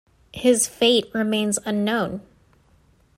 His fate remains unknown.